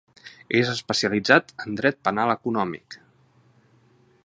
És especialitzat en dret penal econòmic.